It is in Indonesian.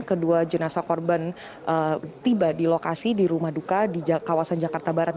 kedua jenazah korban tiba di lokasi di rumah duka di kawasan jakarta barat